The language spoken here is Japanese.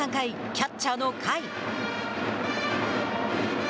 キャッチャーの甲斐。